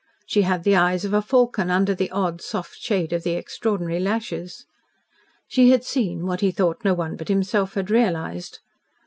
She had the eyes of a falcon under the odd, soft shade of the extraordinary lashes. She had seen what he thought no one but himself had realised.